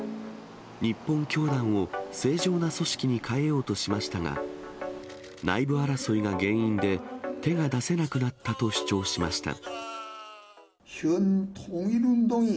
日本教団を正常な組織に変えようとしましたが、内部争いが原因で、手が出せなくなったと主張しました。